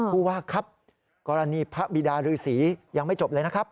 ผู้ว่าครับกรณีพระบิดารือศรียังไม่จบเลยนะครับ